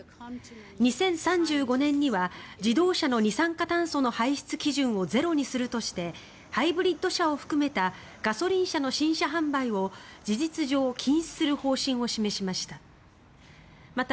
２０３５年には自動車の二酸化炭素の排出基準をゼロにするとしてハイブリッド車を含めたガソリン車の新車販売を事実上禁止する方針を示しました。